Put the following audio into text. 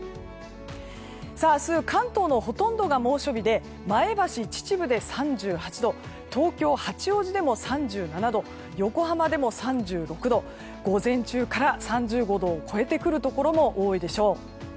明日、関東のほとんどが猛暑日で前橋、秩父で３８度東京・八王子でも３７度横浜でも３６度午前中から３５度を超えてくるところも多いでしょう。